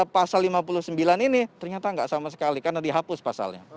pasal lima puluh sembilan ini ternyata nggak sama sekali karena dihapus pasalnya